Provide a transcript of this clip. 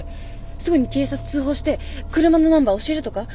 すぐに警察通報して車のナンバー教えるとか？